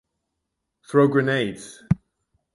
Throw grenades.